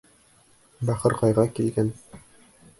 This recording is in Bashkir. Бахырҡайға килгән.